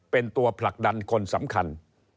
เป็นตัวผลักดันคนสำคัญ